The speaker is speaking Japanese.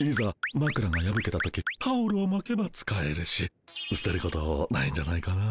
まくらがやぶけた時タオルをまけば使えるし捨てることないんじゃないかな。